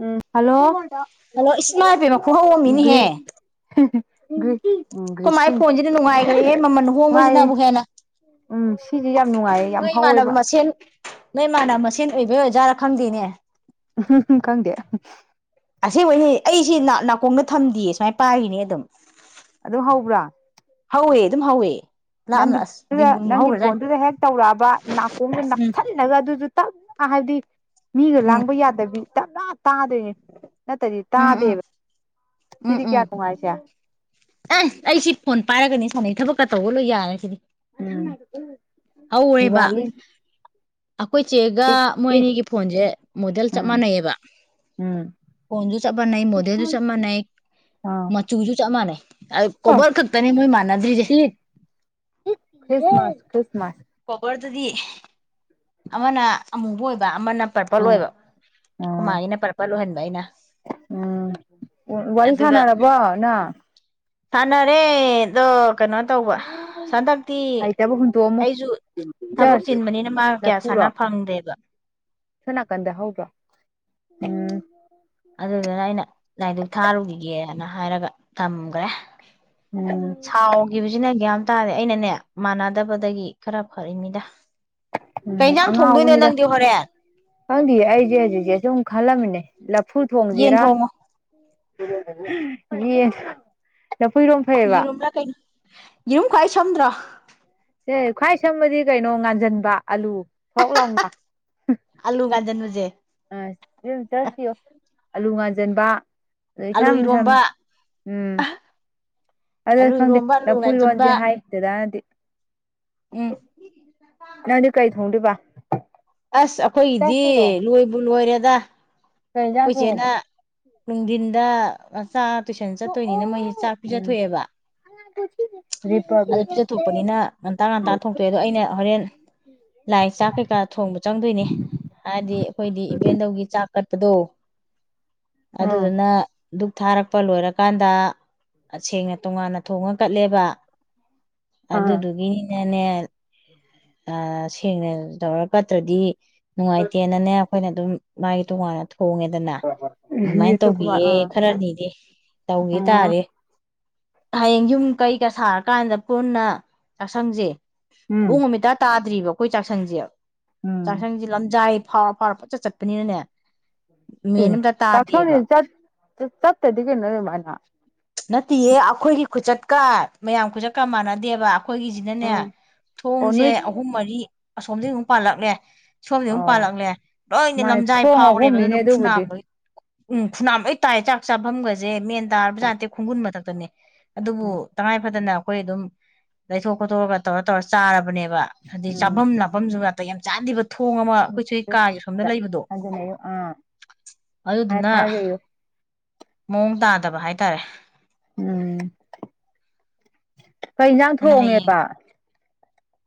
ꯎꯝ hello hello greeting ꯀꯃꯥꯏ ꯅꯨꯡꯉꯥꯏꯌꯦ ꯐꯣꯟꯁꯤꯗꯤ ꯅꯨꯡꯉꯥꯏꯈ꯭ꯔꯦꯍꯦ ꯃꯃꯜ ꯍꯣꯡꯕꯁꯤꯅ ꯑꯃꯨꯛ ꯍꯦꯟꯅ ꯎꯝ ꯁꯤꯁꯦ ꯌꯥꯝ ꯅꯨꯡꯉꯥꯏꯌꯦ ꯌꯥꯝ ꯑꯩꯩꯃꯅꯅꯕ ꯍꯧꯋꯦꯕ ꯃꯁ ꯅꯣꯏ ꯃꯥꯅꯕ ꯃꯁꯦꯟ ꯑꯣꯏꯕ ꯑꯣꯖꯥꯔꯥ ꯈꯪꯗꯦꯅꯦ [unintelligible] ꯈꯪꯗꯦ ꯑꯁꯦꯡꯕꯩꯅꯦ ꯑꯩꯁꯦ ꯅꯥꯀꯣꯡꯗ ꯊꯝꯗꯦ ꯁꯨꯃꯥꯏꯅ ꯄꯥꯏꯔꯤꯅꯤ ꯑꯗꯨꯝ꯫ ꯑꯗꯨꯝ ꯍꯧꯕ꯭ꯔꯥ꯫ ꯍꯧꯋꯦ ꯑꯗꯨꯝ ꯍꯧꯋꯦ꯫ ꯂꯥꯞꯅ ꯅꯪꯒꯤ ꯑꯁ ꯕꯤꯡꯒꯨꯟ ꯅꯪꯒꯤ ꯍꯧꯈ꯭ꯔꯖꯥꯠꯅꯤ ꯐꯣꯟꯗꯨꯗ ꯍꯦꯛ ꯇꯧꯔꯛꯑꯕ ꯅꯥꯀꯣꯡꯗ ꯅꯞꯁꯟ ꯁꯥꯜꯂꯒ ꯑꯗꯨꯁꯨ ꯇꯞꯅ ꯍꯥꯏꯕꯗꯤ ꯃꯤꯒ ꯎꯝ ꯂꯥꯡꯕ ꯌꯥꯗꯕꯤ ꯇꯞꯅ ꯇꯥꯗꯣꯏꯅꯦ ꯅꯠꯇ꯭ꯔꯗꯤ ꯎꯝ ꯎꯝ ꯇꯥꯗꯦꯕ ꯎꯝ ꯎꯝ ꯁꯤꯗꯤ ꯎꯝ ꯀꯌꯥ ꯅꯨꯡꯉꯥꯏꯁꯦ꯫ ꯑꯦ ꯑꯩ ꯁꯤ ꯐꯣꯟ ꯄꯥꯏꯔꯒꯅꯤ ꯁꯥꯟꯅꯩ ꯊꯕꯛꯀ ꯇꯧꯕ ꯂꯣꯏ ꯌꯥꯔꯦꯁꯤꯗꯤ꯫ ꯎꯝ ꯗꯤꯋꯥꯂꯤ꯫ ꯑꯩꯈꯣꯏ ꯆꯦꯒ ꯏꯠ ꯃꯣꯏ ꯏꯠ ꯑꯅꯤꯒꯤ ꯐꯣꯟꯁꯦ ꯃꯣꯗꯦꯜ ꯆꯞ ꯎꯝ ꯃꯥꯟꯅꯩꯌꯦꯕ꯫ ꯎꯝ꯫ ꯐꫭꯟ ꯁꯨ ꯆꯞ ꯃꯅꯩ ꯃꫭꯗꯦꯜꯁꯨ ꯆꯞ ꯃꯅꯩ ꯑꯥ ꯃꯠ ꯆꯨꯁꯨ ꯆꯞ ꯃꯥꯟꯅꯩ ꯑꯣ ꯀꯣꯕꯔ ꯈꯛꯇꯅꯦ ꯃꯣꯏ ꯃꯥꯟꯅꯗ꯭ꯔꯤꯁꯦ꯫ ꯏꯠ ꯈ꯭ꯔꯤꯁꯃꯥꯁ ꯈ꯭ꯔꯤꯁꯃꯥꯁ꯫ ꯀꯣꯕꯔꯗꯗꯤ ꯑꯃꯅ ꯑꯃꯨꯕ ꯑꯣꯏꯕ ꯑꯃꯅ ꯄꯔꯄꯜ ꯎꯝ ꯑꯣꯏꯕ ꯎꯝ ꯈꯨꯃꯥꯒꯤꯅ ꯄꯔꯄꯜ ꯑꯣꯏꯍꯟꯕ ꯑꯩꯅ꯫ ꯎꯝ ꯋꯥꯔꯤ ꯁꯥꯟꯅꯔꯕꯣ ꯅꯪ꯫ ꯁꯥꯟꯅꯔꯦꯗꯣ ꯀꯩꯅꯣ ꯇꯧꯕ ꯍꯟꯗꯛꯇꯤ꯫ ꯆꯥꯕ ꯍꯨꯟ ꯑꯩꯁꯨ ꯊꯕꯛ ꯆꯤꯟꯕꯅꯤꯅ ꯃꯥ ꯀꯌꯥ ꯁꯥꯟꯅ ꯐꯪꯗ꯭ꯔꯦꯕ꯫ ꯁꯣꯅꯥꯀꯟꯗ ꯍꯧꯗꯔꫭ꯫ ꯑꯗꯨꯗꯨꯅ ꯑꯩꯅ ꯂꯥꯏꯗꯨꯛ ꯊꯥꯔꯨꯈꯤꯒꯦꯅ ꯍꯥꯏꯔꯒ ꯊꯝꯈ꯭ꯔꯦ꯫ ꯎꯝ꯫ ꯁꯥꯎꯈꯤꯕꯁꯤꯅ ꯒ꯭ꯌꯥꯟ ꯑꯃ ꯇꯥꯗꯦ ꯑꯩꯅꯅꯦ ꯃꯥꯟꯅꯗꯕꯗꯒꯤ ꯈꯔ ꯐꯔꯤꯅꯤꯗ꯫ ꯀꯩ ꯎꯝ ꯏꯟꯁꯥꯡ ꯊꯣꯡꯗꯣꯏꯅꯣ ꯑꯉꯥꯎꯕꯅꯤꯗ ꯅꯪꯗꯤ ꯍꯣꯔꯦꯟ꯫ ꯈꯪꯗꯤꯌꯦ ꯑꯩꯁꯦ ꯍꯧꯖꯤꯛꯁꯦ ꯁꯨꯝ ꯈꯜꯂꯝꯃꯤꯅꯦ ꯂꯐꯨ ꯌꯦꯟ ꯊꯣꯡꯁꯤꯔ꯫ ꯊꯣꯡꯉꯣ ꯌꯦꯟ ꯂꯐꯨ ꯏꯔꯣꯝꯕ ꯌꯦꯔꯨꯝꯂꯥ ꯀꯩꯅꯣ ꯌꯦꯔꯨꯝ ꯈ꯭ꯋꯥꯏ ꯁꯝꯗ꯭ꯔꯣ꯫ ꯁꯦ ꯈ꯭ꯋꯥꯏ ꯁꯝꯕꯗꯤ ꯀꯩꯅꯣ ꯉꯥꯟꯁꯤꯟꯕ ꯑꯂꯨ ꯊꫭꯛ ꯂꯥꯎꯅ꯫ ꯑꯂꯨ ꯉꯥꯟꯖꯟꯕꯖꯦ꯫ ꯑ ꯑꯗꯨ ꯆꯠꯁꯤꯑ ꯑꯂꯨ ꯉꯥꯟꯖꯟꯕ ꯑꯗꫭ ꯑꯥꯂꯨ ꯏꯁꯝ ꯏꯔꯣꯝꯕ ꯁꯝꯃꯤ꯫ ꯎꯝ꯫ ꯑꯗꯨ ꯑꯥꯂꯨ ꯈꯪꯗꯦ ꯏꯔꯣꯝꯕ ꯑꯥꯂꯨ ꯉꯥꯟꯖꯟꯕ ꯂꯐꯨꯔꯣꯟꯁꯦ ꯍꯥꯏ ꯗꯗꯥꯅꯗꯤ꯫ ꯎꯝ ꯅꯪꯗꯤ ꯀꯩ ꯊꯣꯡꯗꯨꯏꯕ꯫ ꯑꯁ ꯑꯩꯈꯣꯏꯒꯤꯗꯤ ꯂꫭꯏꯕꯨ ꯂꯣꯏꯔꯦꯗ꯫ ꯀꯩ ꯏꯟꯖꯥꯡ ꯑꯩꯈꯣꯏꯆꯦꯅ ꯊꯣꯡꯉꯕ ꯅꯨꯡꯊꯤꯟꯗ ꯃꯆꯥ ꯇꯨꯏꯁꯟ ꯆꯠꯇꯣꯏꯅꯤꯅ ꯃꯣꯏꯁꯤ ꯆꯥꯛ ꯎꯝ ꯄꯤꯖꯊꯣꯛꯑꯦꯕ꯫ [unintelligible] ꯑꯗꯨ ꯄꯤꯖ ꯊꯣꯛꯄꯅꯤꯅ ꯉꯟꯇꯥ ꯉꯟꯇꯥ ꯊꯣꯛꯇꯣꯛꯑꯦ ꯑꯗꯣ ꯑꯩꯅ ꯍꯣꯔꯦꯟ ꯂꯥꯏ ꯆꯥꯛ ꯀꯩꯀꯥ ꯊꯣꯡꯕ ꯆꯪꯗꯣꯏꯅꯦ ꯍꯥꯏꯗꯤ ꯑꯩꯈꯣꯏꯗꯤ ꯏꯕꯦꯟꯗꯧꯒꯤ ꯆꯥꯛ ꯀꯠꯄꯗꯣ꯫ ꯑꯥ ꯑꯗꯨꯗꯨꯅ ꯗꯨꯛ ꯊꯥꯔꯛꯄ ꯂꯣꯏꯔꯀꯥꯟꯗ ꯁꯦꯡꯅ ꯇꯣꯉꯥꯟꯅ ꯊꯣꯡꯉ ꯀꯠꯂꯦꯕ ꯑꯗꯨꯗꯨꯒꯤꯅꯅꯦ꯫ ꯎꯝꯝ ꯑ ꯁꯦꯡꯅ ꯇꯧꯔ ꯀꯠꯇ꯭ꯔꯗꯤ ꯅꯨꯡꯉꯥꯏꯇꯦꯅꯅꯦ ꯑꯩꯈꯣꯏꯅ ꯑꯗꯨꯝ ꯃꯥꯒꯤ ꯇꯣꯉꯥꯟꯅ ꯊꫭꯡ ꯊꯣꯡꯉꯦꯗꯅ ꯑꯗꯨꯃꯥꯏꯅ ꯕꯤꯑꯦꯠꯇ ꯀꯨꯃꯥꯔ ꯇꯧꯕꯤꯌꯦ ꯑꯥ ꯈꯔꯅꯤꯗꯤ ꯇꯧꯒꯤ ꯑꯣ ꯇꯥꯔꯦ꯫ ꯍꯌꯦꯡ ꯌꯨꯝ ꯀꯩꯀ ꯁꯥꯔꯀꯥꯟꯗ ꯄꯨꯟꯅ ꯆꯥꯛꯁꯪꯁꯦ꯫ ꯎꯝ ꯃꯑꯣꯡ ꯑꯃ ꯏꯇꯥ ꯇꯥꯗ꯭ꯔꯤꯕ ꯑꯩꯈꯣꯏ ꯆꯥꯛꯁꯪꯁꯦ ꯎꯝ ꯆꯥꯛꯁꯪꯁꯦ ꯂꯝꯖꯥꯏ ꯐꯥꯎꯔ ꯐꯥꯎꯔ ꯄꯪꯆꯠ ꯆꯠ ꯄꯅꯤꯅꯅꯦ꯫ ꯎꯝ ꯆꯥꯛꯁꯪ ꯗꯤ ꯆꯠ ꯆꯠꯇꯗꯤ ꯀꯩꯅꫭ ꯑꯗꯨꯃꯥꯏꯅ꯫ ꯅꯠꯇꯤꯌꯦ ꯑꯈꯣꯏꯒꯤ ꯈꯨꯆꯠꯀ ꯃꯌꯥꯝ ꯈꯨꯆꯠꯀ ꯃꯥꯟꯅꯗꯦꯕ ꯑꯈꯣꯏꯒꯤꯖꯤ ꯅꯅꯦ ꯎꯝ ꯑꯣ ꯊꯣꯡꯖꯦ ꯅꯣꯏ ꯑꯍꯨꯝ ꯃꯔꯤ ꯑꯁꯣꯝꯗꯒꯤ ꯑꯃꯨꯛ ꯄꯥꯜꯂꯛꯂꯦ ꯁꯣꯝꯗꯩ ꯑꯃꯨꯛ ꯑꯣ ꯄꯥꯜꯂꯛꯂꯦ ꯂꯣꯏꯅ ꯃꯥꯅꯦ ꯂꯝꯖꯥꯏ ꯊꯣꯡ ꯐꯥꯎꯔꯦꯕ ꯑꯍꯨꯝꯅꯤꯅꯦ ꯑꯗꯨꯅ ꯈꯨꯅꯥꯝ ꯑꯗꯨꯕꯨꯗꯤ ꯎꯝ ꯐꯨꯅꯥꯝ ꯂꯣꯏ ꯇꯥꯏ ꯆꯥꯛ ꯆꯥꯕꯝꯒꯁꯦ ꯃꯦꯟ ꯇꯥꯔꯕꯖꯥꯠ ꯅꯠꯇꯦ ꯈꯣꯡꯒꯨꯟ ꯃꯊꯛꯇꯅꯦ ꯑꯗꯨꯕꯨ ꯎꯝ ꯇꯉꯥꯏ ꯐꯗꯅ ꯑꯈꯣꯏ ꯑꯗꯨꯝ ꯂꯩꯊꯣꯛ ꯈꯣꯠꯇꯣꯛꯑꯒ ꯇꯧꯔ ꯇꯧꯔ ꯆꯥꯔꯕꯅꯦꯕ ꯑꯗꯩ ꯎꯝ ꯆꯥꯕꯝ ꯂꯥꯕꯝꯁꯨ ꯅꯥꯇꯩ ꯌꯥꯝ ꯆꯥꯗꯦꯕ ꯊꯣꯡ ꯑꯃ ꯑꯩꯈꯣꯏ ꯆꯦ ꯍꯣꯏ ꯀꯥꯒꯤ ꯑꯁꯣꯝꯗ ꯂꯩꯕꯗꯣ ꯑ ꯑꯗꯨꯗꯨꯅ ꯃꯑꯣꯡ ꯇꯥꯗꯕ ꯍꯥꯏꯇꯥꯔꯦ ꯎꯝ ꯀꯩ ꯏꯟꯁꯥꯡ ꯑꯗꯨꯅ ꯍꯌꯦꯡ ꯊꯣꯡꯉꯦꯕ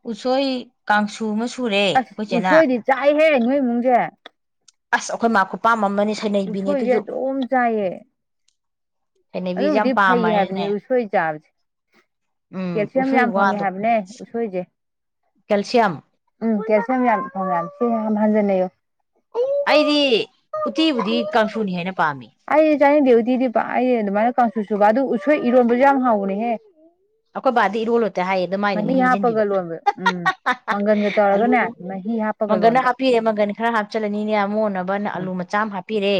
ꯎꯁꯣꯏ ꯀꯥꯡꯁꯨ ꯑꯃ ꯁꯨ ꯑꯁ ꯎꯁꯣꯏꯗꯤ ꯆꯥꯏꯍꯦ ꯅꯣꯏ ꯏꯃꯨꯡꯁꯦ ꯑꯁ ꯑꯈꯣꯏ ꯃꯥ ꯈꯨꯄꯥꯝ ꯑꯃꯅꯤ ꯁꯩꯅꯩꯕꯤꯅꯦ ꯎꯁꯣꯏꯁꯦ ꯑꯗꯨꯁꯨ ꯑꯗꯨꯝ ꯆꯥꯏꯌꯦ ꯁꯩꯅꯩꯕꯤꯁꯦ ꯌꯥꯝ ꯑꯗꯨꯕꯨꯗꯤ ꯐꯩ ꯍꯥꯏꯕꯅꯤ ꯄꯥꯝꯃꯅꯤꯅꯦ ꯎꯁꯣꯏ ꯆꯥꯕꯁꯦ ꯎꯝ ꯀꯦꯜꯁꯤꯌꯝ ꯎꯁꯣꯏ ꯌꯥꯝ ꯐꯪꯉꯦ ꯋꯥꯗꯣ ꯍꯥꯏꯕꯅꯦ ꯎꯁꯣꯏꯁꯦ ꯀꯦꯜꯁꯤꯌꯝ ꯎꯝ ꯀꯦꯜꯁꯤꯌꯝ ꯌꯥꯝ ꯐꯪꯉꯦ ꯍꯥꯏꯝ ꯁꯤ ꯌꯥꯝ ꯍꯟꯖꯟꯅꯩꯌꯣ ꯑꯩꯗꯤ ꯎꯠꯇꯤꯕꯨꯗꯤ ꯀꯥꯡꯁꯨꯅ ꯍꯦꯟꯅ ꯄꯥꯝꯃꯤ ꯑꯩꯁꯨ ꯆꯥꯅꯤꯡꯗꯦ ꯎꯇꯤꯗꯤ ꯄꯥꯛ ꯑꯩ ꯑꯗꯨꯃꯥꯏꯅ ꯀꯥꯡꯁꯨ ꯁꯨꯕ ꯑꯗꯨ ꯎꯁꯣꯏ ꯏꯔꯣꯟꯕꯁꯨ ꯌꯥꯝ ꯍꯥꯎꯕꯅꯦꯍꯦ ꯑꯈꯣꯏ ꯕꯥꯗꯤ ꯏꯔꯣꯜꯂꯣ ꯍꯦꯛꯇ ꯍꯥꯏꯌꯦ ꯑꯗꯨ ꯃꯥꯏꯗꯤ ꯃꯍꯤ ꯍꯥꯞꯄꯒ ꯍꯩꯖꯤꯟꯕꯤꯕ ꯂꯣꯟꯕ ꯎꯝ ꯃꯪꯒꯟꯒ ꯑꯂꯨ ꯇꯧꯔꯒꯅꯦ ꯃꯍꯤ ꯍꯥꯞꯄꯒ ꯃꯪꯒꯟꯅ ꯂꯣꯟꯕ ꯍꯥꯞꯄꯤꯔꯦ ꯃꯪꯒꯟ ꯈꯔ ꯍꯥꯞꯆꯤꯜꯂꯅꯤꯅꯦ ꯑꯃꯣꯟꯅꯕ ꯑꯅ ꯑꯂꯨ ꯃꯆꯥ ꯑꯃ ꯍꯥꯞ ꯄꯤꯔꯦ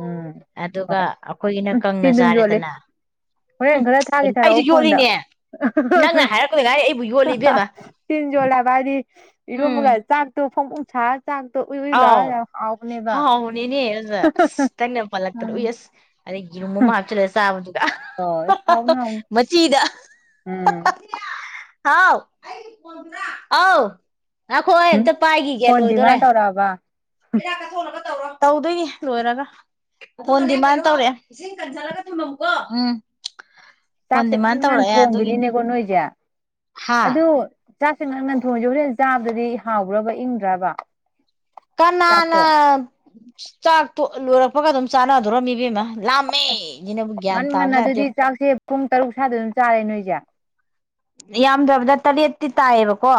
ꯎꯝ ꯑꯗꯨꯒ ꯍꯣꯏ ꯑꯈꯣꯏꯒꯤꯅ ꯎꯝ ꯀꯪꯅ ꯇꯤꯟ ꯑꯗꯨꯝ ꯌꯣꯠꯂꯦ ꯆꯥꯔꯦꯗꯅ ꯎꯝ ꯍꯣꯔꯦꯟ ꯈꯔ ꯊꯥꯒꯦ ꯑꯩꯁꯨ ꯊꯥꯔꯛꯑꯣ ꯐꯣꯟꯗ ꯌꯣꯠꯂꯤꯅꯦ [unintelligible] ꯑꯩꯕꯨ ꯌꯣ ꯇꯤꯟ ꯌꯣꯠꯂꯦ ꯍꯥꯏꯕ ꯍꯥꯏꯗꯤ ꯎꯝ ꯏꯔꯣꯟꯕ ꯀꯥꯏꯁꯦ ꯆꯥꯛꯇꯣ ꯐꯣꯡ ꯐꯣꯡ ꯁꯥꯔ ꯆꯥꯛꯇꯣ ꯎꯏ ꯎꯏ ꯂꯥꯎꯔ ꯌꯥꯝ ꯍꯥꯎꯕꯅꯦꯕ ꯅꯦꯅꯦ ꯑꯣꯖꯥ ꯑꯁ ꯇꯪꯅ ꯄꯥꯜꯂꯛꯇꯅ ꯎꯝ ꯎꯏ ꯑꯁ ꯑꯗꯩ ꯌꯦꯔꯨꯝ ꯑꯃ ꯍꯥꯞꯆꯜꯂ ꯆꯥꯕꯗꯨꯒ ꯍꯣꯏ ꯍꯥꯎꯕꯅꯦ ꯍꯥꯎꯕꯅꯦ ꯃꯆꯤꯗ ꯎꯝ ꯍꯥꯎ ꯑꯧ ꯉꯥꯏꯈꯣ ꯑꯩ ꯑꯝꯇ ꯄꯥꯏꯈꯤꯒꯦ ꯂꯣꯏꯗꯣꯔꯦ ꯄ ꯕ ꯇꯧꯗꯣꯏꯅꯤ ꯂꯣꯏꯔꯒ ꯐꯣꯟ ꯗꯤꯃꯥꯟ ꯇꯧꯔꯛ ꯑꯦ ꯎꯝ ꯐꯣꯟ ꯆꯥꯛꯁꯦ ꯗꯤꯃꯥꯟ ꯉꯟ ꯉꯟ ꯇꯧꯔꯛꯑꯦ ꯑꯗꯨꯒꯤꯅꯤ ꯊꯣꯡꯕꯅꯤꯅꯦ ꯀꯣ ꯅꯣꯏꯁꯦ ꯍꯥꯥ ꯑꯗꯨ ꯆꯥꯛꯁꯦ ꯉꯟ ꯉꯟ ꯊꯣꯡꯏꯁꯦ ꯍꯣꯔꯦꯟ ꯆꯥꯕꯗꯗꯤ ꯍꯥꯎꯕ꯭ꯔꯕ ꯏꯪꯗ꯭ꯔꯥꯕ ꯀꯅꯥꯅ ꯆꯥꯛꯇꯣ ꯂꯣꯏꯔꯛꯄꯒ ꯑꯗꯨꯝ ꯆꯥꯅꯗꯔꯝꯅꯤ ꯏꯕꯦꯝꯃ ꯑꯁ ꯁꯤꯅꯕꯨ ꯒ꯭ꯌꯥꯟ ꯉꯟ ꯉꯟꯅ ꯇꯥꯕꯖꯥꯠ ꯅꯠꯇꯦ ꯑꯗꯨꯗꯤ ꯆꯥꯛꯁꯦ ꯄꯨꯡ ꯇꯔꯨꯛ ꯁ꯭ꯋꯥꯏꯗ ꯑꯗꯨꯝ ꯆꯥꯔꯦ ꯅꯣꯏꯁꯦ ꯌꯥꯝꯗ꯭ꯔꯕꯗ ꯇꯔꯦꯠꯇꯤ ꯇꯥꯏꯌꯦꯕꯀꯣ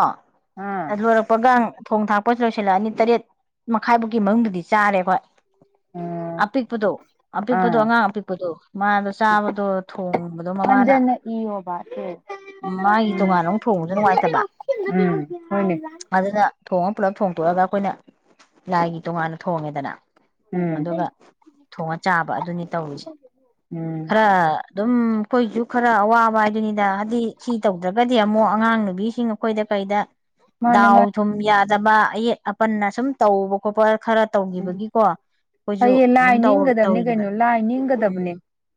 ꯑꯥ ꯂꯣꯏꯔꯛꯄꯒ ꯊꯣꯡ ꯊꯥꯛ ꯄꯣꯠ ꯁꯨ ꯂꯣꯏꯁꯤꯜ ꯂꯛꯑꯅꯤ ꯇꯔꯦꯠ ꯃꯈꯥꯏ ꯐꯥꯎꯒꯤ ꯃꯅꯨꯡꯗꯗꯤ ꯆꯥꯔꯦ ꯈꯣꯏ ꯎꯝ ꯑꯄꯤꯛꯄꯗꯣ ꯑꯄꯤꯛꯄꯗꯣ ꯑꯥ ꯑꯉꯥꯡ ꯑꯄꯤꯛꯄꯗꯣ ꯃꯥꯗꯣ ꯆꯥꯕꯗꯣ ꯊꯣꯡꯕꯗꯣ ꯃꯃꯥꯅ ꯏ ꯑꯣ ꯕꯁꯦ ꯃꯥꯒꯤ ꯇꯣꯉꯥꯟꯅ ꯑꯃꯨꯛ ꯊꯣꯡꯕꯁꯨ ꯅꯨꯡꯉꯥꯏꯇꯕ ꯎꯝ ꯍꯣꯏꯅꯦ ꯑꯗꯨꯅ ꯊꯣꯡꯉ ꯄꯨꯂꯞ ꯊꯣꯡꯇꯣꯛꯑꯒ ꯑꯩꯈꯣꯏꯅ ꯂꯥꯏꯒꯤ ꯇꯣꯉꯥꯟꯅ ꯊꯣꯡꯉꯦꯗꯅ ꯎꯝ ꯑꯗꯨꯒ ꯊꯣꯡꯉ ꯆꯥꯕ ꯑꯗꯨꯅꯤ ꯇꯧꯔꯤꯁꯦ ꯎꯝ ꯈꯔ ꯗꯨꯝ ꯈꯣꯏꯁꯨ ꯈꯔ ꯑꯋꯥꯕ ꯍꯥꯏꯗꯨꯅꯤꯗ ꯍꯥꯏꯗꯤ ꯁꯤ ꯇꯧꯗ꯭ꯔꯒꯗꯤ ꯑꯃꯨꯛ ꯑꯉꯥꯡ ꯅꯨꯕꯤꯁꯤꯡ ꯑꯈꯣꯏꯗ ꯀꯩꯗ ꯃꯥꯅꯦ ꯗꯥꯎ ꯃꯥꯅꯦ ꯊꯨꯝ ꯌꯥꯗꯕ ꯑꯌꯦꯠ ꯑꯄꯟꯅ ꯁꯨꯝ ꯇꯧꯕ ꯈꯣꯠꯄ ꯈꯔ ꯇꯧꯈꯤꯕꯒꯤꯀꯣ ꯐꯩꯌꯦ ꯂꯥꯏ ꯑꯗꯨꯝ ꯅꯤꯡꯒꯗꯕꯅꯦ ꯇꯧꯔꯤꯅꯦꯕ ꯀꯩꯅꯣ ꯂꯥꯏ ꯎꯝ ꯅꯤꯡꯒꯗꯕꯅꯦ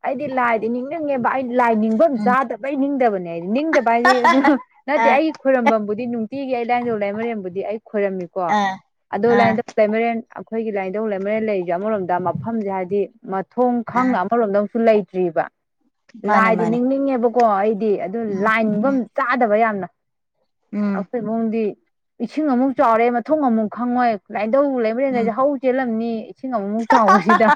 ꯑꯩꯗꯤ ꯂꯥꯏꯗꯤ ꯅꯤꯡꯅꯤꯡꯉꯦꯕ ꯑꯩ ꯂꯥꯏ ꯅꯤꯡꯕꯝ ꯎꯝ ꯆꯥꯗꯕꯩ ꯅꯤꯡꯗꯕꯅꯦ ꯍꯥꯏꯗꯤ ꯅꯤꯡꯗꯕ ꯍꯥꯏꯁꯦ ꯑꯗꯨ ꯅꯠꯇꯦ ꯑꯥ ꯑꯩꯒꯤ ꯈꯣꯏꯔꯝ ꯕꯝꯕꯨꯗꯤ ꯅꯨꯡꯇꯤꯒꯤ ꯑꯩ ꯂꯥꯏꯟꯗꯧ ꯂꯥꯏꯃꯔꯦꯝꯕꯨꯗꯤ ꯑꯩ ꯈꯣꯏꯔꯝꯃꯤꯀꯣ ꯑꯥ ꯑꯗꯣ ꯑꯥ ꯂꯥꯏꯟꯗ ꯂꯩꯃꯔꯦꯟ ꯑꯈꯣꯏꯒꯤ ꯂꯥꯏꯊꯧ ꯂꯩꯃꯔꯦꯟ ꯂꯩꯖꯦ ꯑꯃꯔꯣꯝꯗ ꯃꯐꯝꯁꯦ ꯍꯥꯏꯗꯤ ꯃꯊꯣꯡ ꯑꯥ ꯈꯪꯅ ꯑꯃꯔꯣꯝꯗ ꯑꯃꯨꯛꯁꯨ ꯂꯩꯇ꯭ꯔꯤꯕ ꯃꯥꯅꯦ ꯂꯥꯏꯗꯤ ꯃꯥꯅꯦ ꯅꯤꯡꯅꯤꯡꯉꯦꯕꯀꯣ ꯑꯩꯗꯤ ꯑꯗꯨ ꯎꯝ ꯂꯥꯏ ꯅꯤꯡꯐꯝ ꯎꯝ ꯆꯥꯗꯕ ꯌꯥꯝꯅ ꯎꯝ ꯑꯩꯈꯣꯏ ꯏꯃꯨꯡꯗꯤ ꯏꯁꯤꯡ ꯑꯃꯨꯛ ꯆꯥꯎꯔꯦ ꯃꯊꯨꯡ ꯑꯃꯨꯛ ꯈꯪꯉꯣꯏ ꯂꯥꯏꯙꯧ ꯎꯝ ꯂꯩꯃꯔꯦꯟꯒꯁꯦ ꯍꯧ ꯆꯦꯜꯂꯝꯅꯤ ꯑꯃꯨꯃꯨꯛ ꯆꯥꯎꯕꯁꯤꯗ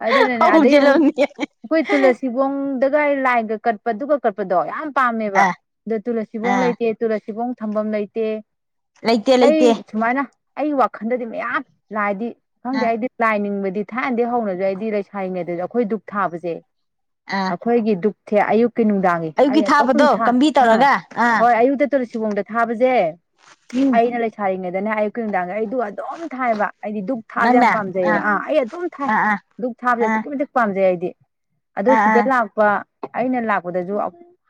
ꯑꯗꯨꯅꯅꯦ ꯑꯗꯩ ꯑꯃꯨꯛ ꯍꯧꯖꯤꯜꯂꯝꯅꯤ ꯑꯩꯈꯣꯏ ꯇꯨꯂꯁꯤ ꯁꯤꯕꯣꯡꯗꯒ ꯂꯥꯏꯒ ꯀꯠꯄꯗꯨꯒ ꯀꯠꯄꯗꯣ ꯌꯥꯝ ꯄꯥꯝꯃꯦꯕ ꯑꯥ ꯑꯗꯣ ꯇꯨꯂ ꯁꯤꯕꯣꯡ ꯑꯥ ꯂꯩꯇꯦ ꯇꯨꯔꯁꯤꯕꯣꯡ ꯊꯝꯐꯝ ꯂꯩꯇꯦ ꯂꯩꯇꯦ ꯂꯩꯇꯦ ꯑꯩ ꯁꯨꯃꯥꯏꯅ ꯑꯩ ꯋꯥꯈꯜꯗꯗꯤ ꯃꯌꯥꯝ ꯂꯥꯏꯗꯤ ꯈꯪꯗꯦ ꯑꯥ ꯑꯩꯗꯤ ꯂꯥꯏ ꯅꯤꯡꯕꯗꯤ ꯊꯥꯏꯅꯗꯤꯗꯒꯤ ꯍꯧꯅꯖꯨ ꯑꯩꯗꯤ ꯂꯩꯁꯥꯔꯉꯩꯗꯁꯖꯨ ꯑꯩꯈꯣꯏ ꯗꯨꯛ ꯊꯥꯕꯖꯦ ꯑꯥ ꯑꯈꫭꯏꯒꯤ ꯗꯨꯛ ꯊꯦ ꯑꯌꯨꯛ ꯀꯤ ꯅꯨꯡꯗꯥꯡꯒꯤ ꯑꯌꯨꯛꯀꯤ ꯑꯩ ꯑꯇꯣꯝ ꯊꯥꯕꯗꯣ ꯊꯥ ꯀꯝꯕꯤ ꯑꯥ ꯇꯧꯔꯒ ꯑꯥ ꯍꯣꯏ ꯑꯌꯨꯛꯇ ꯇꯧꯂ ꯁꯤꯕꯣꯡꯗ ꯊꯥꯕꯁꯦ ꯎꯝ ꯑꯩꯅ ꯂꯩꯁꯥꯔꯤꯉꯩꯗꯅꯦ ꯑꯌꯨꯛꯀꯤ ꯅꯨꯡꯗꯥꯡꯗ ꯑꯩꯗꯨ ꯑꯗꯨꯝ ꯊꯥꯏꯕ ꯑꯩꯗꯤ ꯗꯨꯛ ꯊꯥꯕꯁꯦ ꯌꯥꯝ ꯄꯥꯝꯖꯩꯑꯕ ꯑꯥ ꯑꯩ ꯑꯗꯨꯝ ꯊꯥꯏ ꯑꯥ ꯑꯥ ꯛ ꯊꯥꯕꯁꯦ ꯑꯥ ꯑꯁꯨꯛꯀꯤ ꯃꯇꯤꯛ ꯄꯥꯝꯖꯩ ꯑꯩꯗꯤ ꯑꯗꯨ ꯑꯥ ꯁꯤꯗ ꯑꯥ ꯂꯥꯛꯄ ꯑꯩꯅ ꯂꯥꯛꯄꯗꯁꯨ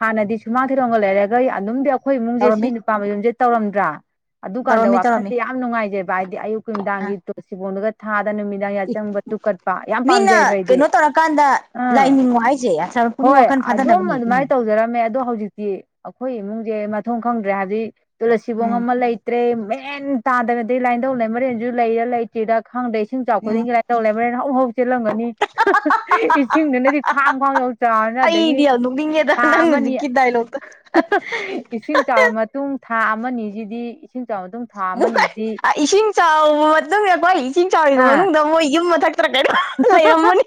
ꯍꯥꯟꯅꯗꯤ ꯁꯨꯃꯥꯡ ꯊꯤꯔꯣꯡꯒ ꯂꯩꯔꯒ ꯑꯗꯨꯝꯗꯤ ꯑꯩꯈꯣꯏ ꯏꯃꯨꯡꯁꯦ ꯁꯤ ꯇꯧꯔꯝꯃꯤ ꯅꯨꯄꯥ ꯃꯌꯨꯝꯁꯦ ꯇꯧꯔꯝꯗ꯭ꯔꯥ ꯑꯗꯨꯀꯥꯟꯗ ꯇꯧꯔꯝꯃꯤ ꯇꯧꯔꯝꯃꯤ ꯋꯥꯈꯟꯁꯦ ꯌꯥꯝ ꯅꯨꯡꯉꯥꯏꯖꯩꯕ ꯍꯥꯏꯗꯤ ꯑꯌꯨꯛ ꯀꯤ ꯑꯥ ꯅꯨꯃꯤꯗꯥꯡꯒꯤ ꯇꯣꯁꯤꯕꫭꯡꯗꯒ ꯊꯥꯗꯅ ꯅꯨꯃꯤꯠ ꯗꯥꯡ ꯌꯥ ꯑꯦ ꯆꯪꯕ ꯇꯨꯀꯠꯄ ꯌꯥꯝ ꯃꯤꯅ ꯄꯥꯝꯖꯩꯑꯕ ꯑꯩꯗꯤ ꯀꯩꯅꯣ ꯇꯧꯔꯀꯥꯟꯗ ꯑꯥ ꯂꯥꯏꯅꯤꯡꯉꯣ ꯍꯥꯏꯁꯦ ꯁꯥꯔ ꯄꯨꯛꯅꯤꯡ ꯍꯣꯏ ꯋꯥꯈꯜ ꯑꯗꯨꯝ ꯐꯥꯗꯅꯕꯅꯤ ꯎꯝ ꯑꯗꯨꯃꯥꯏꯅ ꯇꯧꯖꯔꯝꯃꯦ ꯑꯗꯣ ꯍꯧꯖꯤꯛꯇꯤ ꯑꯩꯈꯣꯏ ꯏꯃꯨꯡꯖꯦ ꯃꯊꫭꯡ ꯈꯪꯗ꯭ꯔꯦ ꯍꯥꯏꯕꯗꯤ ꯇꯨꯂꯁꯤꯕꯣꯡ ꯎꯝ ꯑꯃ ꯂꯩ ꯭ꯇ꯭ꯔꯦ ꯃꯦꯟ ꯇꯥꯗ꯭ꯔꯦ ꯑꯗꯩ ꯂꯥꯏꯟꯊꯧ ꯂꯩꯃꯔꯦꯟꯁꯨ ꯂꯩꯔ ꯂꯩ ꯇꯤꯗ ꯈꯪꯗꯦ ꯏꯁꯤꯡ ꯆꯥꯎ ꯎꯝ ꯈꯨꯗꯤꯡꯒꯤ ꯂꯥꯏꯟꯘꯧ ꯂꯩꯃꯔꯦꯟ ꯍꯧ ꯍꯧ ꯆꯦꯜꯂꯝꯒꯅꯤ ꯏꯁꯤꯡꯗꯨꯅꯗꯤ ꯈ꯭ꯋꯥꯡ ꯐꯧ ꯌꯧ ꯆꯥꯎꯔꯅꯤꯅ ꯑꯗꯒꯤ ꯅꯤꯉꯦꯗ ꯊꯥ ꯅꯪ ꯑꯃꯅꯤ ꯍꯨꯖꯤꯛꯀꯤ ꯗꯥꯏꯂꯣꯛꯇꫭ ꯏꯁꯤꯡ ꯆꯥꯎꯔꯕ ꯃꯇꯨꯡ ꯊꯥ ꯑꯃꯅꯤꯁꯤꯗꯤ ꯏꯁꯤꯡ ꯆꯥꯎꯔꯕ ꯃꯇꯨꯡ ꯊꯥ ꯃꯣꯏ ꯑꯃꯅꯤꯁꯤꯗꯤ ꯏꯁꯤꯡ ꯆꯥꯎꯕ ꯃꯇꯨꯡꯗꯀꯣ ꯏꯁꯤꯡ ꯆꯥꯎꯔꯤ ꯑꯥ ꯃꯅꯨꯡꯗ ꯃꯣꯏ ꯌꯨꯝ ꯃꯊꯛ ꯇ꯭ꯔ ꯀꯩꯅꫭ ꯂꯩꯔꯝꯃꯅꯤ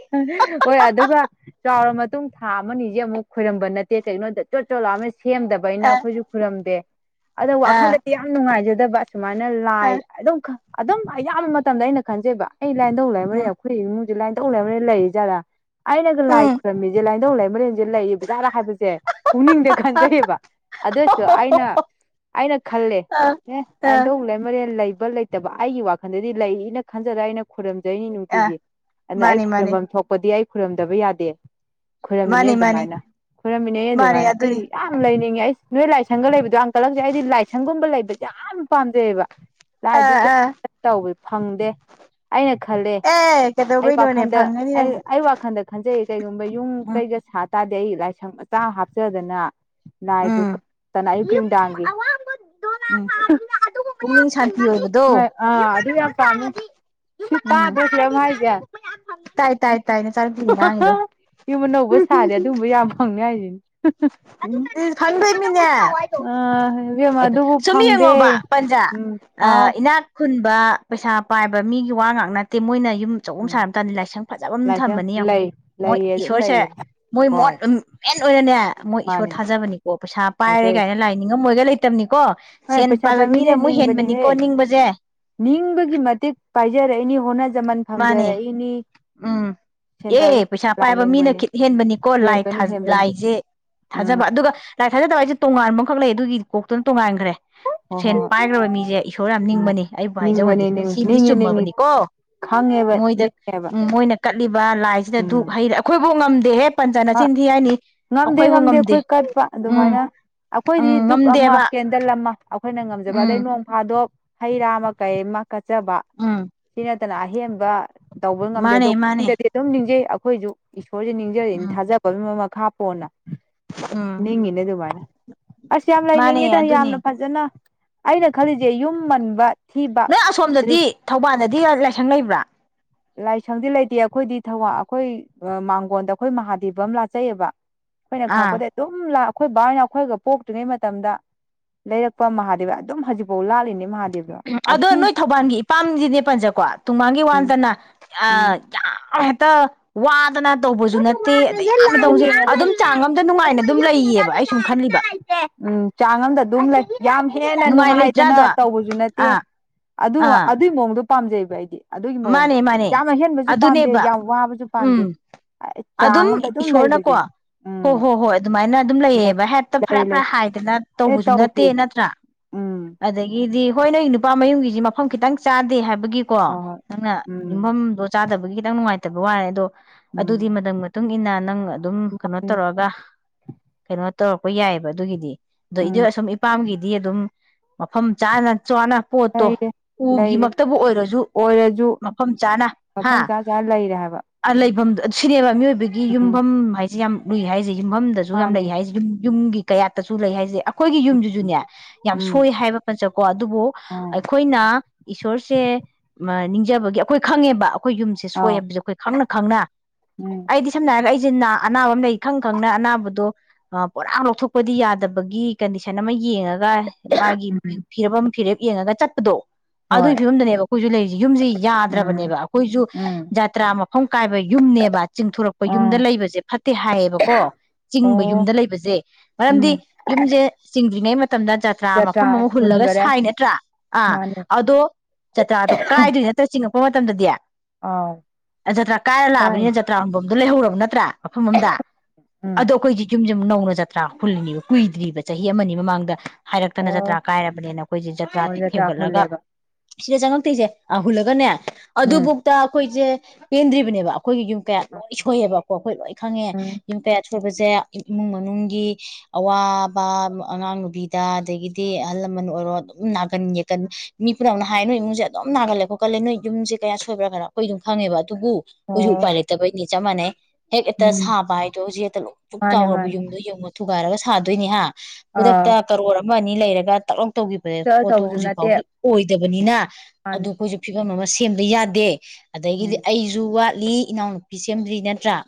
ꯍꯣꯏ ꯑꯗꯨꯒ ꯆꯥꯎꯔ ꯃꯇꯨꯡ ꯊꯥ ꯑꯃꯅꯤꯁꯦ ꯑꯃꯨꯛ ꯈꯣꯏꯔꯝꯕ ꯅꯠꯇꯦ ꯀꯩꯒꯤꯅꯣꯗ ꯆꯣꯠ ꯆꯣꯠ ꯂꯥꯎ ꯑꯃ ꯁꯦꯝꯗꯕ ꯗꯕꯅꯤꯅ ꯑꯥ ꯑꯩꯈꯣꯏꯁꯨ ꯈꯨꯔꯝꯗꯦ ꯑꯗꯣ ꯑꯥ ꯋꯥꯈꯜꯗꯗꯤ ꯌꯥꯝ ꯅꯨꯡꯉꯥꯏꯖꯗꯕ ꯁꯨꯃꯥꯏꯅ ꯂꯥꯏ ꯑꯥ ꯑꯗꯨꯝꯈ ꯑꯗꯨꯝ ꯑꯌꯥꯝꯕ ꯃꯇꯝꯗ ꯑꯩꯅ ꯈꯟꯖꯩꯕ ꯑꯩ ꯂꯥꯏꯟꯗꯧ ꯂꯥꯏꯃꯥꯔꯦꯟ ꯎꯝ ꯑꯩꯈꯣꯏ ꯏꯃꯨꯡꯁꯦ ꯂꯥꯏꯟꯘꯧ ꯂꯩꯃꯦꯟ ꯂꯩꯔꯤ ꯖꯥꯔꯥ ꯑꯩꯅꯒ ꯂꯥꯏ ꯎꯝ ꯈꯨꯔꯝꯃꯤꯁꯦ ꯂꯥꯏꯟꯘꯧ ꯂꯩꯃꯔꯦꯟꯁꯦ ꯂꯩꯔꯤꯕ ꯖꯥꯠꯂꯥ ꯍꯥꯏꯕꯁꯦ ꯄꯨꯛꯅꯤꯡꯗ ꯈꯟꯖꯩꯌꯦꯕ ꯑꯗꯨꯁꯨ ꯑꯩꯅ ꯑꯩꯅ ꯈꯜꯂꯦ ꯑꯥ ꯑꯦ ꯑꯥ ꯂꯥꯏꯅꯗꯧ ꯂꯩꯃꯔꯦꯟ ꯂꯩꯕ ꯂꯩ ꯂꯩꯇꯕ ꯑꯩꯒꯤ ꯋꯥꯈꯟꯗꯗꯤ ꯂꯩꯅ ꯈꯟꯖꯗ ꯑꯩꯅ ꯈꯨꯣꯏꯔꯨꯝꯖꯩꯅꯤ ꯑꯥ ꯇꯤꯒꯤ ꯑꯗꯨꯅ ꯑꯩ ꯃꯥꯅꯤ ꯃꯥꯅꯤ ꯈꯣꯏꯔꯨꯝꯐꯝ ꯊꯣꯛꯄꯗꯤ ꯑꯩ ꯈꯨꯔꯝꯗꯕ ꯌꯥꯗꯦ ꯈꯣꯏꯔꯝꯃꯤꯅꯦ ꯃꯥꯅꯤ ꯃꯥꯅꯤ ꯑꯗꯨꯃꯥꯏꯅ ꯈꯔꯝꯃꯤꯅꯦ ꯃꯥꯅꯤ ꯑꯗꯨꯃꯥꯏꯅ ꯑꯗꯨꯅꯤ ꯑꯩ ꯌꯥꯝ ꯂꯩꯅꯤꯡꯉꯦ ꯑꯩ ꯅꯣꯏ ꯂꯥꯏꯁꯪꯒ ꯂꯩꯕꯗꯣ ꯌꯥꯝꯟ ꯀꯠꯂꯛꯁꯦ ꯑꯩꯗꯤ ꯂꯥꯏꯁꯪꯒꯨꯝꯕ ꯂꯩꯕꯁꯦ ꯌꯥꯝ ꯌꯥꯝ ꯄꯥꯝꯖꯩꯌꯦꯕ ꯑꯥ ꯂꯥꯏꯗꯨꯛ ꯑꯥ [unintelligible] ꯇꯧꯕ ꯐꯪꯗꯦ ꯑꯩꯅ ꯈꯜꯂꯦ ꯑꯦ ꯑꯩ ꯀꯩꯗꯧꯕꯩꯅꯣꯅꯦ ꯋꯥꯈꯟꯗ ꯐꯪꯉꯅꯤ ꯑꯩ ꯅꯪ ꯑ ꯋꯥꯈꯟꯗ ꯈꯟꯖꯩꯌꯦ ꯀꯩꯒꯨꯝꯕ ꯌꯨꯝ ꯎꯝ ꯀꯩꯒ ꯁꯥ ꯇꯥꯔꯗꯤ ꯑꯩ ꯂꯥꯏꯁꯪ ꯃꯆꯥ ꯍꯥꯞꯆꯗꯅ ꯂꯥꯏ ꯗꯨꯛ ꯎꯝ ꯀꯠꯇꯅ ꯑꯌꯨꯛꯀꯤ ꯅꯨꯡꯗꯥꯡꯒꯤ [unintelligible] ꯎꯝ ꯄꯨꯛꯅꯤꯡ ꯁꯥꯟꯄꯤ ꯑꯣꯏꯕꯗꯣ ꯑꯥ ꯑꯗꯨ ꯌꯥꯝ ꯄꯥꯝꯃꯤ [unintelligible] ꯁꯤ ꯎꯝ ꯇꯥꯗ꯭ꯔꫭ ꯁꯤꯗꯝ ꯍꯥꯏꯖꯦ ꯇꯥꯏ ꯇꯥꯏ ꯅꯆꯥꯅꯨꯄꯤ ꯉꯥꯡꯉꯤꯗꫭ ꯌꯨꯝ ꯑꯅꯧꯕ ꯁꯥꯔꯗꯤ ꯑꯗꯨꯝꯕ ꯌꯥꯝ ꯐꯪꯅꯤ ꯍꯥꯏꯖꯤꯅꯤ ꯎ ꯐꯪꯗꯣꯏ ꯃꯤꯅꯦ ꯑꯥ ꯏꯕꯦꯝꯃ ꯑꯗꯨꯕꯨ ꯁꯨꯝ ꯐꯪꯗꯦ ꯌꯦꯡꯉꯣꯕ ꯄꯟꯖꯥ ꯎꯝ ꯍꯥꯎ ꯏꯅꯥꯛ ꯈꯨꯟꯕ ꯄꯩꯁꯥ ꯄꯥꯏꯕ ꯃꯤꯒꯤ ꯋꯥ ꯉꯥꯛ ꯅꯠꯇꯦ ꯃꯣꯏꯅ ꯌꯨꯝ ꯑꯆꯧꯕ ꯎꯝ ꯁꯥꯔꯝ ꯇꯅꯤ ꯂꯥꯏꯁꯪ ꯐꯖꯕ ꯑꯃ ꯂꯥꯏꯁꯪ ꯊꯝꯕꯅꯤ ꯌꯦꯡꯉꯨ ꯂꯩ ꯃꯣꯏ ꯂꯩꯌꯦ ꯑꯗꯨꯝ ꯏꯁꯣꯔꯁꯦ ꯂꯩꯌꯦ ꯃꯣꯏ ꯃꫭꯠ ꯍꯣꯏ ꯃꯦꯟ ꯑꯣꯏꯅꯅꯦ ꯃꯣꯏ ꯏꯁꯣꯔ ꯃꯥꯅꯦ ꯊꯥꯖꯕꯅꯤꯀꯣ ꯄꯩꯁꯥ ꯄꯥꯏꯔꯦ ꯍꯥꯏꯖꯩ ꯀꯥꯏꯅ ꯂꯥꯏ ꯅꯤꯡꯉꯝꯃꯣꯏꯒ ꯂꯩꯇꯕꯅꯤꯀꯣ ꯍꯣꯏ ꯁꯦꯟ ꯄꯩꯁꯥ ꯄꯥꯏꯕ ꯃꯤꯅ ꯄꯥꯏꯕꯤꯅꯦ ꯑꯃꯨꯛ ꯍꯦꯟꯕꯅꯤꯀꯣ ꯅꯤꯡꯕꯅꯦꯍꯦ ꯅꯤꯡꯕꯁꯦ ꯅꯤꯡꯕꯒꯤ ꯃꯇꯤꯛ ꯄꯥꯏꯖꯔꯛꯏꯅꯤ ꯍꯣꯠꯅꯖꯃꯟ ꯃꯥꯅꯦ ꯐꯪꯖꯔꯛꯏꯅꯤ ꯎꯝ ꯁꯦꯟ ꯄꯥꯏꯕ ꯑꯦ ꯄꯩꯁꯥ ꯄꯥꯏꯕ ꯃꯤꯅ ꯂꯥꯏꯅꯤꯡꯕꯅꯤ ꯈꯤꯠ ꯍꯦꯟꯕꯅꯤꯀꯣ ꯂꯥꯏ ꯍꯦꯟꯕꯅꯤ ꯍꯦꯟꯕꯅꯤ ꯂꯥꯏꯁꯦ ꯎꯝ ꯊꯥꯖꯕ ꯑꯗꯨꯒ ꯂꯥꯏ ꯊꯥꯖꯗꯕ ꯍꯥꯏꯁꯦ ꯇꯣꯉꯥꯟꯕꯈꯛ ꯂꯩ ꯑꯗꯨꯒꯤ ꯀꯣꯛꯇꯅ ꯇꯣꯉꯥꯟꯈ꯭ꯔꯦ ꯍꯣꯏ ꯁꯦꯟ ꯍꯣꯏ ꯄꯥꯏꯈ꯭ꯔꯕ ꯃꯤꯁꯦ ꯏꯁꯣꯔ ꯌꯥꯝ ꯎꯝ ꯅꯤꯡꯕꯅꯤ ꯑꯩꯕꯨ ꯍꯥꯏꯖꯕꯗꯤ ꯅꯤꯡꯕꯅꯤ ꯅꯤꯡ ꯁꯤꯗꯤ ꯅꯤꯡꯉꯤ ꯅꯤꯡꯉꯤ ꯆꯨꯝꯃꯕꯅꯤꯀꯣ ꯈꯪꯉꯦꯕ ꯃꯣꯏꯗ ꯅꯤꯡꯉꯦꯕ ꯎꯝ ꯃꯣꯏꯅ ꯀꯠꯂꯤꯕ ꯂꯥꯏꯁꯤꯗ ꯗꯨꯛ ꯎꯝ ꯍꯩꯔ ꯑꯩꯈꯣꯏꯐꯥꯎ ꯉꯝꯗꯦꯍꯦ ꯄꯟꯆꯥꯟꯅ ꯑꯁꯤꯤꯟ ꯊ ꯍꯥꯏꯅꯤ ꯉꯝꯗꯦ ꯉꯝꯗꯦ ꯑꯩꯈꯣꯏ ꯀꯠꯄ ꯎꯝ ꯑꯗꯨꯃꯥꯏꯅ ꯑꯩꯈꯣꯏꯗꯤ ꯎꯝ ꯗꯨꯛ ꯑꯃ ꯉꯝꯗꯦꯕ ꯄꯦꯟꯗꯜ ꯑꯃ ꯑꯩꯈꯣꯏꯅ ꯉꯝꯖꯕ ꯑꯗꯩ ꯎꯝ ꯅꯣꯡ ꯐꯥꯗꯣꯛ ꯍꯩ ꯔꯥ ꯑꯃ ꯀꯩ ꯑꯃ ꯀꯠꯆꯕ ꯎꯝ ꯁꯤ ꯅꯠꯇꯅ ꯑꯍꯦꯟꯕ ꯇꯧꯕ ꯉꯝꯗꯦ ꯑꯗꯣ ꯃꯥꯅꯦ ꯃꯥꯅꯦ ꯄꯨꯛꯅꯤꯡꯗꯥꯗꯤ ꯑꯗꯨꯝ ꯅꯤꯡꯖꯩ ꯑꯩꯈꯣꯏꯖꯨ ꯏꯁꯣꯔ ꯅꯤꯡ ꯖꯔꯤꯅꯤ ꯎꯝ ꯊꯥꯖꯕꯒꯤ ꯃꯈꯥ ꯄꯣꯟꯅ ꯎꯝ ꯅꯤꯡꯉꯤꯅꯦ ꯑꯗꯨꯃꯥꯏꯅ ꯑꯁ ꯌꯥꯝ ꯃꯥꯅꯦ ꯂꯩꯅꯤꯡꯉꯤꯗ ꯑꯗꯨꯅꯦ ꯌꯥꯝꯅ ꯐꯖꯅ ꯑꯩꯅ ꯈꯜꯂꯤꯁꯦ ꯌꯨꯝ ꯃꯟꯕ ꯊꯤꯕ ꯅꯣꯏ ꯑꯗꯨ ꯑꯁꯣꯝꯗꯗꯤ ꯊꯧꯕꯥꯜꯗꯗꯤ ꯂꯥꯏꯁꯪ ꯂꯩꯕ꯭ꯔꯥ ꯂꯥꯏꯁꯪꯗꯤ ꯂꯩꯇꯦ ꯑꯩꯈꯣꯏꯗꯤ ꯊꯧꯋꯥꯜ ꯑꯩꯈꯣꯏ ꯃꯥꯡꯒꯣꯟꯗ ꯑꯩꯈꯣꯏ ꯃꯍꯥꯗꯦꯕ ꯑꯃ ꯂꯥꯠꯆꯩꯌꯦꯕ ꯑꯩꯈꯣꯏꯅ ꯑꯥ ꯈꯥꯛꯄꯗꯩ ꯑꯗꯨꯝ ꯑꯩꯈꯣꯏ ꯕꯥꯅ ꯑꯩꯈꯣꯏꯒ ꯄꯣꯛꯇ꯭ꯔꯤꯉꯩ ꯃꯇꯝꯗ ꯂꯩꯔꯛꯄ ꯃꯍꯥꯗꯦꯕ ꯑꯗꯨꯝ ꯍꯧꯖꯤꯛꯐꯥꯎ ꯂꯥꯠꯂꯤꯅꯦ ꯃꯍꯥꯗꯦꯕ ꯑꯗꯣ ꯅꯣꯏ ꯊꯧꯕꯥꯜꯒꯤ ꯏꯄꯥꯝꯁꯤꯅꯦ ꯄꯟꯖꯀꯣ ꯇꯨꯡꯃꯥꯡꯒꯤ ꯋꯥ ꯎꯝ ꯅꯠꯇꯥꯅꯥ ꯎꯝ ꯑꯥ ꯌꯥꯝ ꯍꯦꯛꯇꯥ ꯋꯥꯗꯅ ꯇꯧꯕꯁꯨ ꯅꯠꯇꯦ ꯑꯗꯥ ꯌꯥꯝꯅ ꯇꯧꯕꯁꯦ ꯑꯗꯨꯝ ꯆꯥꯡ ꯑꯝꯇ ꯅꯨꯡꯉꯥꯏꯅ ꯑꯩꯈꯣꯏ ꯑꯗꯨꯝ ꯂꯩꯌꯦꯕ ꯌꯨꯝꯁꯤꯗꯗꯤ ꯑꯩ ꯁꯨꯝ ꯂꯥꯏ ꯑꯝꯇ ꯈꯜꯂꯤꯕ ꯂꯩꯇꯦ ꯎꯝ ꯆꯥꯡ ꯑꯝꯗ ꯑꯗꯨꯝ ꯌꯥꯝ ꯍꯦꯟꯅ ꯅꯨꯡꯉꯥꯏ ꯅꯨꯡꯉꯥꯏꯗꯅ ꯂꯩꯇ꯭ꯔꯥꯗꯣ ꯇꯧꯕꯁꯨ ꯅꯠꯇꯦ ꯑꯥ ꯑꯗꯨ ꯑꯥ ꯑꯗꯨꯒꯤ ꯃꯑꯣꯡꯗꯣ ꯄꯥꯝꯖꯩꯕ ꯑꯩꯗꯤ ꯑꯗꯨꯒꯤ ꯃꯑꯣꯡꯗꯣ ꯃꯥꯅꯦ ꯃꯥꯅꯦ ꯌꯥꯝ ꯑꯍꯦꯟꯕꯁꯨ ꯄꯥꯝꯗꯦ ꯑꯗꯨꯅꯦꯕ ꯌꯥꯝ ꯋꯥꯕꯁꯨ ꯄꯥꯝꯗꯦ ꯎꯝ ꯆꯥꯡ ꯑꯃꯗꯥ ꯑꯗꯨꯝ ꯂꯩꯕꯁꯦ ꯍꯣꯏ ꯍꯣ ꯎꯝ ꯍꯣꯏ ꯑꯗꯨꯃꯥꯏꯅ ꯑꯗꯨꯝ ꯂꯩ ꯂꯩꯌꯦꯕ ꯍꯦꯛꯇ ꯐꯔꯥ ꯂꯩ ꯐꯔ ꯂꯩ ꯍꯥꯏꯗꯅ ꯑꯦ ꯇꯧꯕꯁꯨ ꯅꯠꯇꯦ ꯇꯧꯗꯦ ꯅꯠꯇ꯭ꯔꯥ ꯎꯝ [inaudible] ꯑꯗꯒꯤꯗꯤ ꯍꯣꯏ ꯅꯣꯏ ꯅꯨꯄꯥ ꯃꯌꯨꯝꯒꯤꯁꯤ ꯃꯐꯝ ꯈꯤꯇꯪ ꯆꯥꯗꯦ ꯍꯥꯏꯕꯒꯤꯀꯣ ꯍꯣꯏ ꯍꯣꯏ ꯅꯪꯅ ꯎꯝ ꯌꯨꯝꯐꯝ ꯗꯣ ꯆꯥꯗꯕꯒꯤ ꯈꯤꯇꯪ ꯅꯨꯡꯉꯥꯏꯇꯕ ꯋꯥꯅꯦ ꯑꯗꯣ ꯑꯗꯨꯗꯤ ꯎꯝ ꯃꯇꯝ ꯃꯇꯨꯡ ꯏꯟꯅ ꯅꯪ ꯑꯗꯨꯝ ꯀꯩꯅꯣ ꯃꯥꯅꯦ ꯇꯧꯔꯑꯒ ꯀꯩꯅꯣ ꯇꯧꯔꯛꯄ ꯌꯥꯏꯌꯦꯕ ꯑꯗꯨꯒꯤꯗꯤ ꯑꯗꯣ ꯏꯗꯤ ꯎꯝ ꯑꯁꯨꯝ ꯏꯄꯥꯝꯒꯤꯗꯤ ꯑꯗꯨꯝ ꯃꯐꯝ ꯆꯥꯅ ꯆꯥꯅ ꯄꯣꯠꯇꯣ ꯎꯒꯤ ꯃꯛꯇꯕꯨ ꯑꯣꯏꯔꯁꯨ ꯑꯣꯏꯔꯥꯖꯨ ꯃꯐꯝ ꯆꯥꯅ ꯍꯥꯥ ꯍꯥꯏꯕ ꯂꯩꯐꯝꯗꯣ ꯁꯤꯅꯦꯕ ꯃꯤꯑꯣꯏꯕꯒꯤ ꯎꯝ ꯌꯨꯝꯐꯝ ꯍꯥꯏꯁꯦ ꯌꯥꯝ ꯂꯨꯏ ꯍꯥꯏꯁꯦ ꯌꯨꯝꯐꯝ ꯌꯥꯝ ꯃꯥꯅꯦ ꯂꯩ ꯍꯥꯏꯖꯦ ꯌꯨꯝ ꯌꯨꯝꯒꯤ ꯀꯌꯥꯠꯇꯁꯨ ꯂꯩ ꯍꯥꯏꯁꯦ ꯑꯩꯈꯣꯏꯒꯤ ꯎꯝ ꯌꯨꯝꯁꯤꯁꯨꯅꯦ ꯌꯥꯝ ꯎꯝ ꯁꯣꯏ ꯍꯥꯏꯕ ꯄꯥꯆꯥꯀꯣ ꯑꯗꯨꯕꯨ ꯑꯥꯎ ꯑꯩꯈꯣꯏꯅ ꯏꯁꯣꯔꯁꯦ ꯅꯤꯡꯖꯕꯒꯤ ꯑꯩꯈꯣꯏ ꯈꯪꯉꯦꯕ ꯑꯩꯈꯣꯏ ꯌꯨꯝꯁꯦ ꯁꯣꯏ ꯍꯥꯏꯕꯁꯦ ꯑꯈꯣꯏ ꯈꯪꯅ ꯈꯪꯅ [unintelligible] ꯑꯩꯗꯤ ꯁꯝꯅꯥ ꯍꯥꯏꯔꯒ ꯑꯩꯁꯦ ꯑꯅꯥꯕ ꯑꯃ ꯂꯩ ꯈꯪ ꯈꯪꯅ ꯑꯅꯥꯕꯗꯣ ꯄꯨꯔꯥ ꯂꯧꯊꯣꯛ ꯄꯗꯤ ꯌꯥꯗꯕꯒꯤ ꯀꯟꯗꯤꯁꯟ ꯑꯃꯥ ꯌꯦꯡꯉꯒꯥ ꯃꯥꯒꯤ ꯎꯝ ꯐꯤꯔꯞ ꯑꯃ ꯐꯤꯔꯦꯞ ꯌꯦꯡꯉꯒ ꯆꯠꯄꯗꯣ ꯑꯗꯨꯒꯤ ꯍꯣꯏ ꯐꯤꯕꯝꯗꯅꯦꯕ ꯑꯩꯈꯣꯏꯁꯨ ꯂꯩꯔꯤꯁꯦ ꯌꯨꯝꯒꯤ ꯎꯝ ꯌꯥꯗ꯭ꯔꯕꯅꯦꯕ ꯑꯩꯈꯣꯏꯁꯨ ꯎꯝ ꯖꯇ꯭ꯔꯥ ꯐꯣꯡ ꯀꯥꯏꯕ ꯌꯨꯝꯅꯦꯕ ꯆꯤꯡꯊꯣꯔꯛꯄ ꯑꯥ ꯌꯨꯝꯗ ꯂꯩꯕꯁꯦ ꯐꯠꯇꯦ ꯍꯥꯏꯌꯦꯕꯀꯣ ꯆꯤꯡꯕ ꯑꯣ ꯌꯨꯝꯗ ꯂꯩꯕꯁꯦ ꯃꯔꯝꯗꯤ ꯎꯝ ꯌꯨꯝꯁꯦ ꯆꯤꯡꯗ꯭ꯔꯤꯉꯩ ꯃꯇꯝꯗ ꯖꯇ꯭ꯔꯥ ꯃꯐꯝ ꯑꯃ ꯍꯨꯜꯂꯒ ꯁꯥꯏ ꯅꯠꯇ꯭ꯔꯥ ꯑꯥ ꯃꯥꯅꯦ ꯑꯗꯣ ꯖꯇ꯭ꯔꯥꯗꯣ ꯀꯥꯏꯗꯣꯏ ꯅꯠꯇ꯭ꯔ ꯆꯤꯡꯉꯛꯄ ꯃꯇꯝꯗꯗꯤ ꯑꯥꯎ ꯑꯗꯥ ꯖꯇ꯭ꯔꯥ ꯀꯥꯏꯔ ꯂꯥꯛꯑꯕꯅꯤꯅ ꯀꯥꯏꯅꯣ ꯇ꯭ꯔꯥꯍꯨꯟꯐꯝꯗꯣ ꯂꯩꯍꯧꯔꯕ ꯅꯠꯇ꯭ꯔꯥ ꯃꯐꯝ ꯑꯝꯗ ꯎꯝ ꯑꯗꯣ ꯑꯩꯈꯣꯏꯒꯤ ꯌꯨꯝꯁꯦ ꯑꯃꯨꯛ ꯅꯧꯅ ꯖꯇ꯭ꯔꯥ ꯍꯨꯜꯂꯤꯅꯤꯕ ꯀꯨꯏꯗ꯭ꯔꯤꯕ ꯆꯍꯤ ꯑꯃꯅꯤ ꯃꯃꯥꯡꯗ ꯍꯥꯏꯔꯛꯇꯅ ꯖꯇ꯭ꯔꯥ ꯑꯣ ꯀꯥꯏꯔꯕꯅꯦꯅ ꯑꯩꯈꯣꯏꯁꯦ ꯖꯇ꯭ꯔꯥ ꯑꯣ ꯍꯦꯟꯒꯠꯂꯒ ꯍꯨꯜꯂꯦꯕ ꯁꯤꯗ ꯆꯪꯉꯛꯇꯣꯏꯁꯦ ꯎꯝ ꯑꯗꯨꯕꯨꯛꯇꯥ ꯑꯩꯈꯣꯏꯁꯦ ꯄꯦꯟꯗ꯭ꯔꯤꯕꯅꯦꯕ ꯑꯈꯣꯏꯒꯤ ꯌꯨꯝꯁꯦ ꯀꯌꯥꯠ ꯂꯣꯏ ꯁꯣꯏꯌꯦꯕꯀꯣ ꯑꯩꯈꯣꯏ ꯂꯣꯏ ꯈꯪꯉꯦ ꯎꯝ ꯌꯨꯝ ꯀꯌꯥ ꯁꯣꯏꯕꯁꯦ ꯏꯃꯨꯡ ꯃꯅꯨꯡꯒꯤ ꯑꯋꯥꯕ ꯑꯉꯥꯡ ꯅꯨꯨꯕꯤꯗ ꯑꯗꯒꯤꯗꯤ ꯑꯍꯜ ꯂꯃꯟ ꯑꯣꯏꯔꯣ ꯑꯗꯨꯝ ꯅꯥꯒꯟ ꯌꯦꯛꯀꯟ ꯕꯥꯅꯦ ꯃꯤ ꯄꯨꯝꯅꯃꯛꯅ ꯍꯥꯏ ꯅꯣꯏ ꯏꯃꯨꯡ ꯑꯗꯨꯝꯅꯥꯒꯜ ꯀꯜꯂꯦ ꯅꯣꯏ ꯌꯨꯝꯁꯦ ꯀꯌꯥꯠ ꯁꯣꯏꯕ꯭ꯔꯥ ꯀꯩꯅꯣ ꯑꯩꯈꯣꯏ ꯌꯨꯝ ꯈꯪꯉꯦꯕ ꯑꯗꯨꯕꯨ ꯑꯩꯈꯣꯏꯁꯨ ꯑꯣ ꯎꯄꯥꯏ ꯂꯩꯇꯕꯩꯅꯤ ꯆꯞ ꯃꯥꯟꯅꯩ ꯍꯦꯛ ꯍꯦꯛꯇ ꯎꯝ ꯁꯥꯕ ꯍꯥꯏꯗꯣ ꯍꯧꯖꯤꯛ ꯍꯦꯛꯇ ꯂꯣꯏ ꯄꯨꯛ ꯃꯥꯅꯦ ꯆꯥꯎꯈꯔꯕ ꯃꯥꯅꯦ ꯌꯨꯝꯗꯣ ꯌꯦꯡꯉ ꯊꯨꯒꯥꯏꯔꯒ ꯁꯥꯗꯣꯏꯅꯤ ꯍꯥ ꯈꯨꯗꯛꯇ ꯑꯥ ꯀꯔꯣꯔ ꯑꯃ ꯑꯅꯤ ꯂꯩꯔꯒ ꯇꯧꯈꯤꯕꯁ ꯄꯣꯠꯇꯣ ꯇꯧꯕꯁꯨ ꯍꯧꯖꯤꯛ ꯅꯠꯇꯦ ꯐꯥꯎꯗꯤ ꯑꯣꯏꯗꯕꯅꯤꯅ ꯃꯥꯅꯦ ꯑꯗꯨ ꯑꯩꯈꯣꯏꯁ ꯐꯤꯕꯝ ꯑꯃ ꯁꯦꯝꯕ ꯌꯥꯗꯦ ꯑꯗꯒꯤꯗꯤ ꯎꯝ ꯑꯩꯁꯨ ꯋꯥꯠꯂꯤ ꯏꯅꯥꯎꯅꯨꯄꯤ ꯁꯦꯝꯗ꯭ꯔꯤ ꯅꯠꯇ꯭ꯔꯥ